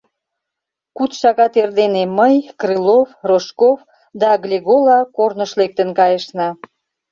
Куд шагат эрдене мый, Крылов, Рожков да Глегола корныш лектын кайышна.